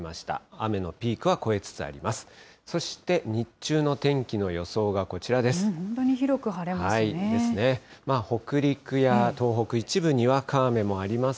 雨のピークは越えつつあります。